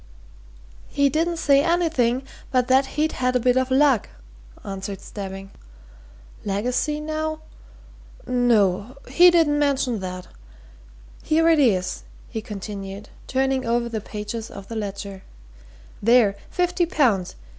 "He didn't say anything but that he'd had a bit of luck," answered Stebbing. "I asked no questions. Legacy, now? no, he didn't mention that. Here it is," he continued, turning over the pages of the ledger. "There! 50 pounds.